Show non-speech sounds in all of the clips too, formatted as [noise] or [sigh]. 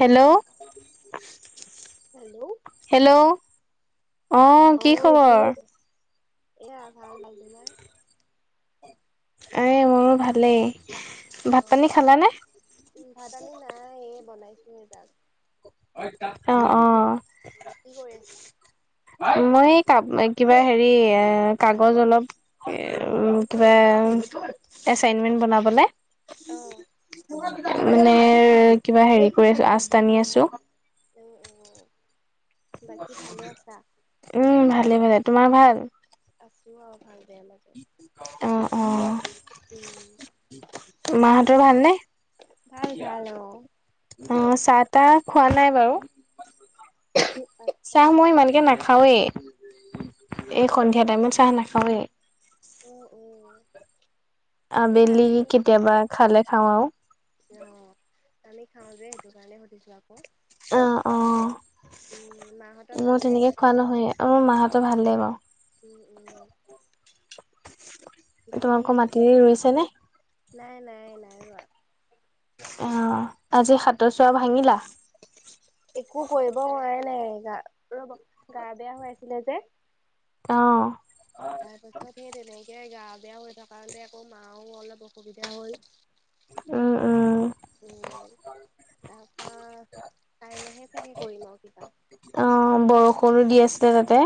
Hello? Hello? Hello? অ', কি কৰিছে, এয়া ভাল, ভাল, তোমাৰ? [inaudible] এ মোৰো ভালেই, ভাত-পানী খালানে? উ, ভাত আনী নাই, এই বনাইছোঁ হে জাষ্ট। অ', অ'। উম, কি কৰি আছা? মই এই, ক, কিবা হেৰি, এ কাগজ অলপ উ, কিবা এচাইনমে বনাবলে। অ'। মানে কিবা হেৰি কৰি আছোঁ, টানি আছোঁ। উ, উ। উম, ভালেই, ভালেই, তোমাৰ ভাল? আছো আৰু ভাল বেয়া মাজত। অ', অ' উম চাহ তাহ মাহ খালা? হঁতৰ ভাল নে? ভাল ভাল অ', চাহ-তাহ খোৱা নাই বাৰু। উ [unintelligible] চাহ মই ইমানকে নাখাওৱেই, এই সন্ধিয়া টাইমত চাহ নাখাওৱেই। উম, উম। তাকে আবেলি আমি কেতিয়াবা খালে, খাওঁ আৰু। অ' আমি খাওঁ যে সেইটো কাৰণে সুধিছোঁ আকৌ অ' অ' উম মা হঁতৰ মোৰ ভালনে তেনেকে খোৱা নহয় অ মা হঁতৰ ভালেই বাৰু উম উম বাকী তোমালোকৰ মাটি ৰুইছে নে? নাই নাই নাই ৰোৱা অ' আজি সাতৰ চোৱা ভাঙিলা। একো কৰিব হোৱা নাই গা ৰব গা বেয়া হৈ আছিলে যে অ' তাৰপাছত সেই তেনেকে গা বেয়া হৈ থাকোতে আকৌ মাও অলপ অসুবিধা হল উম উম উম তাৰপা কাইলৈহে চাগে কৰিম আৰু কিবা অ' বৰষুণো দি আছিলে তাতে।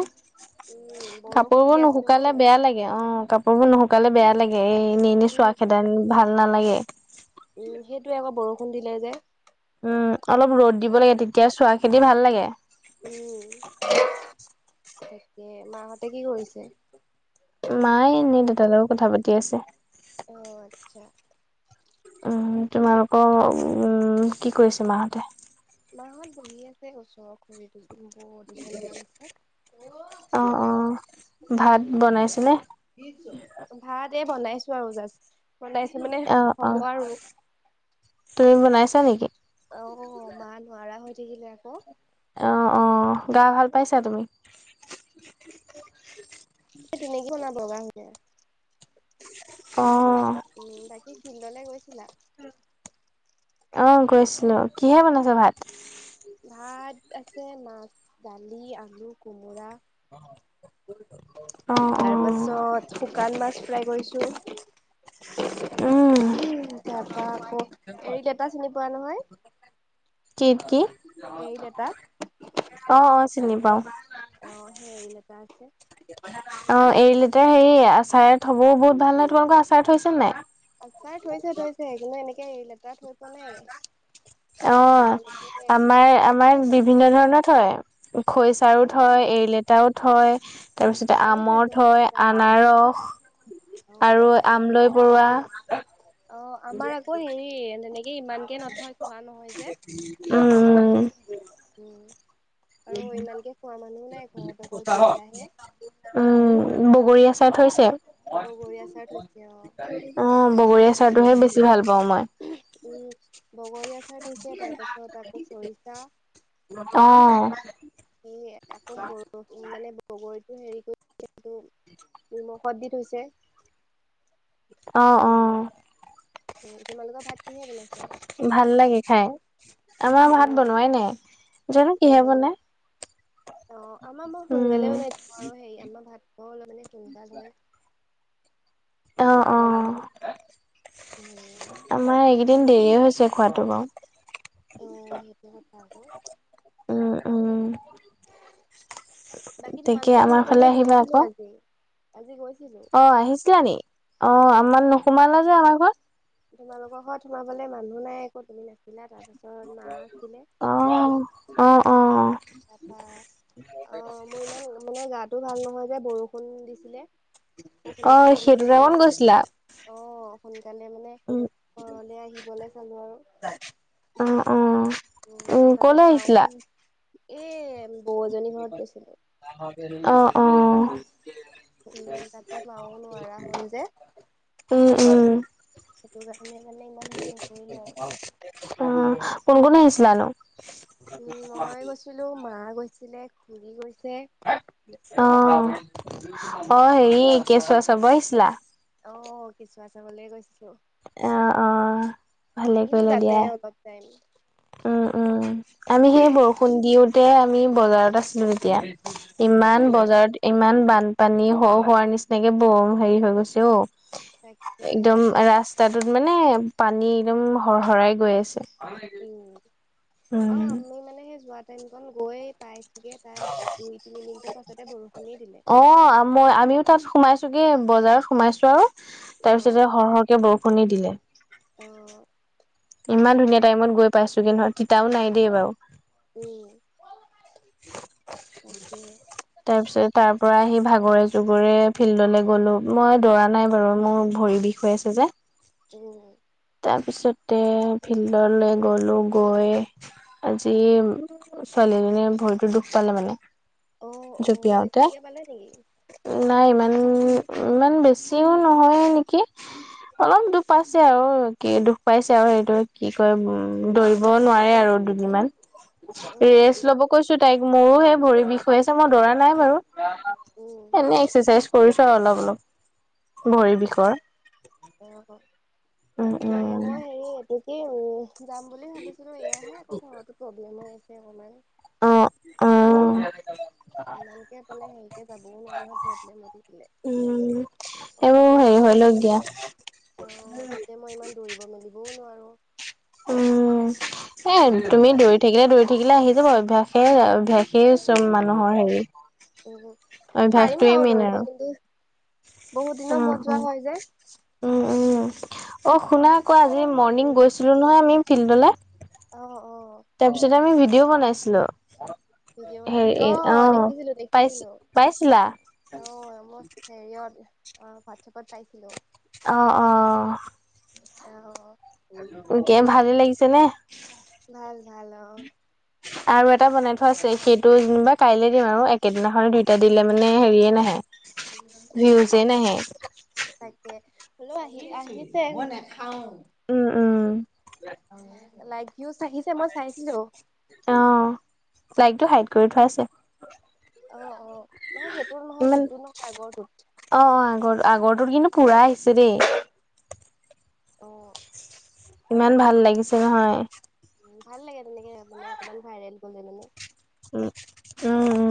উম বৰষুণ কাপোৰ দি বোৰ আছে অ নুশুকালে বেয়া লাগে অ' কাপোৰ বোৰ নুশুকালে বেয়া লাগে। এই এনেই এনেই উম চোৱা খেদায় ভাল নালাগে। উম সেইটোৱে আকৌ বৰষুণ দিলে যে। উম অলপ ৰ'দ দিব লাগে তেতিয়া চোৱা খেদি ভাল লাগে। উম তাকে মা হঁতে কি কৰিছে। মায়ে এনেই দেউতাৰ লগত কথা পাতি আছে। অ' আচ্ছা উম তোমালোকৰ উম কি কৰিছে মা হতে মাহত বহি আছে ওচৰ খুৰী দু বৌ দুজনীমান আছে অ', অ', ভাত বনাইছে নে ভাত এই বনাইছো আৰু জাষ্ট বনাইছো মানে অ', অ'। হ'ব আৰু তুমি বনাইছা নেকি। অ' মা নোৱাৰা হৈ থাকিলে আকৌ। অ' অ' গা ভাল পাইছা তুমি এই তেনেকে বনাম বগা সৈতে অ' উম বাকী ফিল্ডলৈ গৈছিলা। অ' গৈছিলো কিহে বনাইছ ভাত। ভাত আছে মাছ দালি আলু কোমোৰা অ' তাৰ অ', পাছত শুকান মাছ ফ্ৰাই কৰিছো। উম, তাৰপা আকৌ এৰিত এটা চিনি পোৱা নহয়। কিত কি এৰিলেটা অ'অ' চিনি পাওঁ। অ' সেই এৰিলেতা আছে। অ' এৰিলেতা হেৰি আচাৰ থবও বহুত ভাল নহয় তোমালোকৰ আচাৰ থৈছে নাই আচাৰ থৈছে থৈছে কিন্তু এনেকে হেৰি লেতাৰ থৈ পোৱা নাই। অ এনেকে আমাৰ থৈছে আমাৰ বাৰু বিভিন্ন ধৰণৰ থয় খৰিচাৰও অ' থয়, এৰিলেতাও থয় তাৰপিছতে আমাৰো থৈছে আমৰ থয়, খুচা আনাৰস আৰু অ'। আমৰলি পৰুৱা অ আমাৰ আকৌ হেৰি তেনেকে ইমানকে নথয় খোৱা নহয় যে উম উম উম, আৰু ইমানকে খোৱা মানুহো নাই ঘৰত অকল তিনিটাহে। উম, বগৰী আচাৰ থৈছে? বগৰী আচাৰ থৈছে অ'। অ', বগৰী আচাৰটোহে বেছি ভাল পাওঁ মই। উম, বগৰী আচাৰ থৈছে, তাৰ পিছত আকৌ খৰিচা। অ আম, সেয়ে আকৌ গ মানে বগৰীটো হেৰি [unintelligible] নিমখত দি থৈছে। সেই অ'। অ তেনেকুৱা। তোমালোকৰ ভাত কিহে বনাইছে? ভাল লাগে খাই। আমাৰ ভাত উম বনোৱাই নাই, জাঁনো নাই কিহে বনোৱা বনাই। অ', আমাৰ মানে সোনকালে উম বনাই দিওঁ আৰু, হেৰি আমাৰ ভাত খোৱাও অলপ মানে সোনকাল হয়। অ', অ'। উম। আমাৰ এইকেইদিন দেৰিয়েই হৈছে খোৱাটো বাৰু। অ', সেইটো কথা আকৌ। উম, উম। বাকী তাকে তোমালোকৰ ঘৰ আমাৰ ফালে আহিবা গৈছিলো আকৌ। আজি আজি গৈছিলোঁ। অ', আহিছিলা নি? অ', আমাৰ নোসোমাল যে আমাৰ ঘৰত? তোমালোকৰ ঘৰত সোমাবলৈ মানুহ নাই আকৌ তুমি নাছিলা, তাৰপাছত মা আছিলে। অ', অ', অ', অ'। তাপা, অ', মোৰ ইমান মানে গাটো ভাল নহয় যে বৰষুণ দিছিলে। কৌ অ সোনকালে সেইটো মানে টাইমত গৈছিলা অ', সোনকালে মানে উম ঘৰলে আহিবলে চালোঁ আৰু। অ অ উম, উম আৰু ততে কলৈ মাওঁ আহিছিলা এ, বৌ এজনী ঘৰত গৈছিলোঁ। অ', অ'। তাতে মাওঁ নোৱাৰা হ'ল যে। উম, উম। সেইটো কাৰণে মানে ইমান হেৰি নকৰিলোঁ আৰু। অ', কোন কোন আহিছিলানো? উম, মই গৈছিলো, মা গৈছিলে, খুৰি গৈছে। অ', অ', হেৰি কেচুৱা চাব আহিছিলা? অ', কেচুৱা চাবলে গৈছিলোঁ। অ', অ', ভালে থাকিলোঁ কৰিলা তাতে দিয়া। অলপ। টাইম। উম, উম। আমি সেই বৰষুণ দিওঁতে আমি বজাৰত আছিলোঁ তেতিয়া। অ ইমান বজাৰত ইমান বানপানী হ-হোৱাৰ নিচিনাকে বৰ হেৰি হৈ গৈছে ঔ। তাকে একদম ৰাস্ তা তোত মানে পানী একদম হৰহৰাই গৈ আছে। উম, উম। আৰু আমি মানে সেই যোৱা টাইম কন গৈয়ে পাই গে পাই দুই তিনি মিনিটৰ পাছতে বৰষুণেই দিলে। অ', মই আমিও তাত সোমাইছোগে বজাৰত সোমাইছো আৰু, অ তাৰপিছতে হৰ হৰ কে বৰষুণেই দিলে। অ'। ' ইমান ধুনীয়া টাইমত গৈ পাইছোঁ গে নহয়, তিতাও নাই দেই বাৰু। উম, তাকে‌। তাৰপিছত তাৰ পৰা আহি ভাগৰে জোগৰে ফিল্ডলৈ গলো মই দৌৰা নাই বাৰু মোৰ ভৰি বিষ হৈ আছে যে। [unintelligible] তাৰপিছতে ফিল্ডলৈ গ'লো গৈ আজি ছোৱালীজনীয়ে ভৰিতো দুখ পালে মানে অ অ জুপিয়াওতে বেছিকে পালে নেকি নাই ইমান ইমান বেছিও নহয় নেকি অলপ দুখপাইছে আৰু কি দুখ পাইছে আৰু সেইটো কি কয় উম দৌৰিব নোৱাৰে আৰু দুদিনমান উম ৰেষ্ট ল'ব কৈছো তাইক। মোৰো সে ভৰি বিষ হৈ আছে মই দৌৰা নাই বাৰু। উম এনে এক্সাৰচাইজ কৰিছো আৰু অলপ অলপ অ ভৰি অ বিষৰ। অ উম তাকে উম মই হেৰি এইটো কি উম যাম বুলি ভাবিছিলো এয়াহে আকৌ ঘৰতো প্ৰব্লেম হৈ আছে অকণমান অ অ। ইমানকে মানে হেৰিকে যাবও নোৱাৰি নহয় প্ৰব্লেম হৈ থাকিলে। উম এইবোৰ হেৰি হৈ লওক দিয়া। অঁ তাতে মই ইমান দৌৰিব মেলিবও নোৱাৰো। উম, এ অ তুমি এতিয়া দৌৰি থাকিলে দৌৰি থাকিলে আহি অভ্যায়ে অভ্যাস সেই চব মানুহৰ হেৰি উম, পাৰিম অভ্যাসটোৱে বাৰু মেইন দৌৰিব আৰু। কিন্তু বহুত দিনৰ মুৰত অ অ যোৱা হয় যে উম উম, অ শুনা আক আজি মৰ্ণিং উম গৈছিলো নহয় আমি ফিল্ডলৈ। অ অ। তাৰপিছত আমি ভিডিঅ' বনাইছিলো। ভিডিঅ' হে বনাইছিল অ', অঁ দেখিছিলো পাইছ দেখিছিলো পাইছিলা? অ মই হেৰিয়ত অ হোৱাটছএপত পাইছিলো। অঁ অঁ। অহ। কে ভালেই লাগিছে নে? ভাল ভাল অ', আৰু এটা বনাই থোৱা আছে সেইটো যেনিবা কাইলে দিম আৰু একেদিনাখনেই দুইটা দিলে মানে হেৰিয়ে নাহে উম, ভিউজে নাহে। তাকে হলেও আহি আহিছে, মই নাখাওঁ। উম উম লাইক ভিউজ আহিছে মই চাইছিলো। অ লাইকটো হাইড কৰি থোৱা আছে অ অ নহয় সেইটো নহয় ইমান সেইটো নহয় আগৰটো অ অ আগৰ আগৰটোত কিন্তু পুৰা আহিছে দেই অ'। ইমান ভাল লাগিছে নহয় উম ভাল লাগে তেনেকে মানে অকণমান ভাইৰেল হলে মানে [inaudible]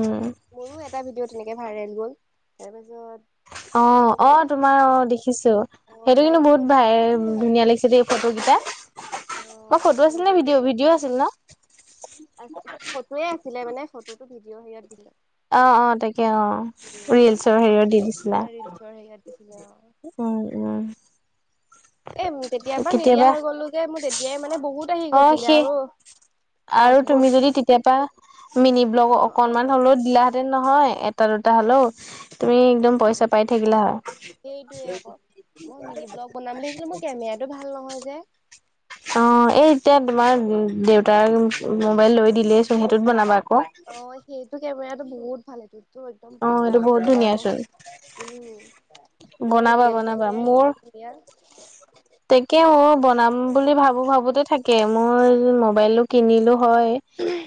উম মোৰো এটা ভিডিঅ' তেনেকে ভাইৰেল গ'ল তাৰপিছত অ অ তোমাৰ অ দেখিছো অ সেইটো কিন্তু লাইকটো বহুত বেছি ভাই অহা নাই ধুনীয়া লাগিছে দেই ফটোকেইটা অ ফটো আছিল নে ভিডিঅ' ভিডিঅ' আছিল ন ফটোৱে আছিলে মানে ফটোটো ভিডিঅ' হেৰিয়ত দিলে অ অ তাকে অ উম ৰিলচৰ হেৰিত দি দিছিলা ৰিলচৰ হেৰিয়াত দিছিলে অ উম উম এ তেতিয়া পৰা নিদিয়া কেতিয়াবা হৈ গলো গে মোৰ তেতিয়াই মানে বহুত আহি অ গৈছিলে সেই আৰু আৰু দাচবৰ্ড তুমি যদি তেতিয়াপা মিনি ব্লগ অ অ অকনমান হ'লো দিলাহেঁতেন নহয়, এটা-দুটা হ'লও তুমি একদম পইচা পাই থাকিলা হয়। সেইটোয়ে আকৌ এইটো ভাল নহয় যে। অ' এই-এতিয়া তোমাৰ দেউতাই মোবাইল লৈ দিলেই চোন সেইটোত বনাবা আক'। অ' সেইটো কেমেৰাটো বহুত ভাল, সেইটোতো একদম অ পোৰা এইটো বহুত ভাল আহিব। ধুনীয়াচোন উম মানে বনাবা ৰিয়েল বনাবা কেমেৰা মোৰ কি ধুনীয়া। তাকে, অ' বনাম বুলি ভাব মোৰ ভাবোতে থাকে, মোৰ মোবাইলো কিনিলো হয়।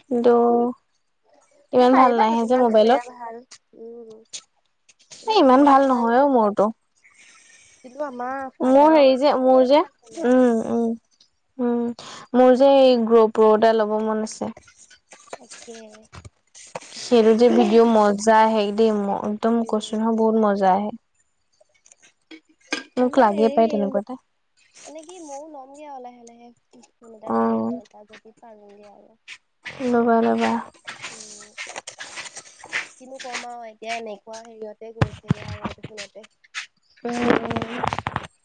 কিন্তু, তুমি ইমান ভাল পাৰিবা তো নাহে যে তোমাৰ মোবাইলত। কেমেৰা ভাল, উম! তোমাৰ কেমেৰা ভাল। মোৰটো কিন্তু আমাৰ মোৰ ফাদাৰৰ হেৰি যে! মোৰ যে, ভাল কেমেৰা উম' উম'। উম, মোৰ যে এই গ প্ৰ এটা ল'ব মন আছে। তাকে! সেইটোত যে ভিডিঅ' মজা আহে দেই, একদম উম কৈছোঁ নহয় বহুত নকবা মজা আহে। মোক আমাৰ লাগে পাই হেৰি, তেনেকুৱা এটা এনে কি মও লমগে আৰু লাহে লাহে। ফোন অ এটা ভাল ফোন এটা যদি পাৰোঙগে আৰু। ল'বা ল'বা। উম। কিনো ক'ম আও! এতিয়া এনেকুৱা হেৰিয়তে গৈছেগে আৰু এইটো ফোনতে। উম।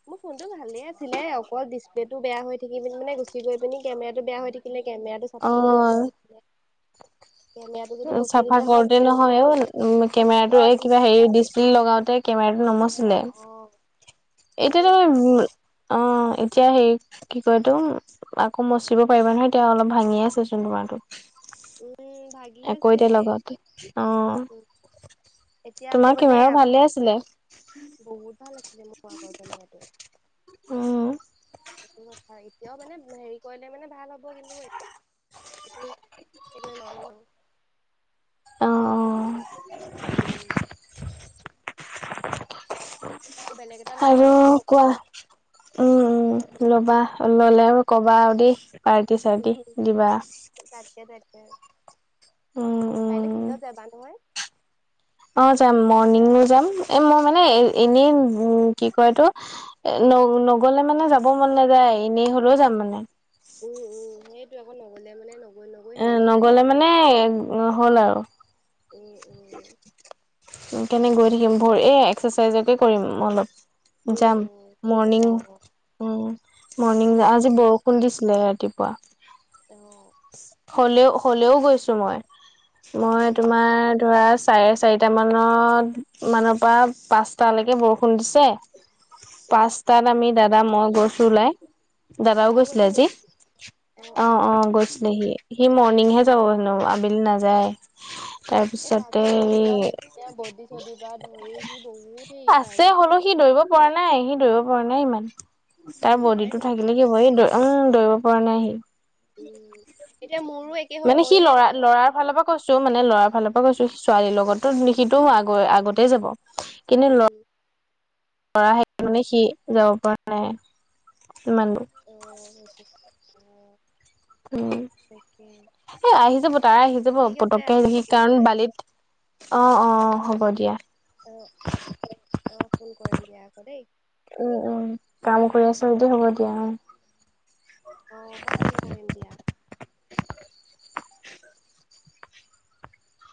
মোৰ ফোনটো ভালে আছিলে, অকল ডিচপ্লেটো বেয়া হৈ থাকি মানে গুচি গৈ পিনি কেমেৰাটো বেয়া হৈ থাকিলে। কেমেৰাটো চফা কৰোঁতে অ নুমোচিলে। চাফা দিলে হয় কৰোতে তেতিয়া নহয় অ', উ অ কেমেৰাতো অ এই ডিচ কিবা হেৰি ডিচ লগাওঁতে কেমেৰা অ' অঁ। এতিয়াতো অ', এতিয়া হেৰি কি কয় এইতো আকৌ মচিব পাৰিবা নহয় এতিয়া অলপ ভাঙি আছে চোন তোমাৰতো। উম ভাগি আকৌ আছে এতিয়া লগাওঁতে। অ'! উম এতিয়া আকৌ তোমাৰ মানে কেমেৰাও আকৌ ভালে আছিলে। বহুত ভাল আছিলে, মোৰ আগৰ কেমেৰাটো। উম সেইটো কথা এতিয়াও মানে হেৰি কৰিলে মানে ভাল হ'ব। কিন্তু এই সেইটো [inaudible] অ অ উম'। বেলেগ এটা ল'ম আৰু ফোন কোৱা উম উম, ল'বা ললে আৰু কবা আৰু দেই, পাৰ্টি-চাৰ্টি দিবা। তাকে তাকে, উম কাইলে উম ফিল্ডত যাবা নহয়? অ' যাম মৰ্ণিঙো যাম, এ মই মানে এ-এনেই কি কয় এইটো ন-নগলে মানে যাব মন নাযায়, এনে হলেও যাম মানে। উম উম সেইটোৱে আক', নগলে মানে নগৈ নগৈ হেৰি হৈ যায়। নে হ'ল আৰু। উম উম তাকে সেইকেনে গৈ থাকিম, ভৰি! এই এক্সাৰচাইজকে কৰিম অলপ। উম যাম, উম মৰ্ণিং পাৰিবা অ উম' নিজৰ মৰ্ণিং হেৰি আজি বৰ খুন্দিছিলে ৰাতিপুৱা। অঁ। হলেও হলেও গৈছো মই, তাকে মই অ তোমাৰ ধৰা চাৰে চাৰিটা মানত মানৰ পৰা, পাঁচটালৈকে বৰষুণ দিছে। উম পাঁচটাত আমি দাদা মই গৈছো ওলাই দাদাও গৈছিলে গৈছে আজি। নেকি অ' অ' গৈছিল। সি, সি মৰ্ণিংহে যাব হেনো আবেলি নাযায়। [inaudible] এই তাৰ তাৰপিছতে যে একদম হেৰি পুৰা ধুনীয়া বদি চদিৰ পৰা ধৰি সি বহুত হেৰি আছে পাৰিব পাই হ'লেও জাই। সি দৌৰিব পৰা নাই সি দৌৰিব পৰা নাই ইমান, তাৰ নোৱাৰে বডি টো নেকি থাকিলে কিমান কি হব এ দৌ উম, দৌৰিব পৰা নাই সি উম, এতিয়া মোৰো এক মানে, সি লৰা লৰাৰ ফালৰ পৰা কৈছো মানে ল'ৰা ফালৰ পৰা কৈছো, ছোৱালীৰ লগতো লিখিতো আগ আগতে যাব। কিন্তু উম। লৰা হিটো নে কি, সি যাব পৰা নাই ইমান অ' সেই [unintelligible] অ' উম, তাকে এ আহি যাব তাৰে আহি উম যাব ঠিক আছে পতককে, আকৌ সি ফোন কাৰণ কৰিম বালিত অ' অ' হ'ব দিয়া। অ অ' ফোন কৰিম দিয়া আকৌ দেই। উম উম, কাম কৰি আছ যদি হ'ব দিয়া অ অ' মই ফোন কৰিম দিয়া।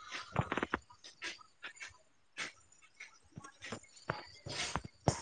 [inaudible] [inaudible]